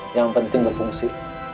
yang penting berfungsi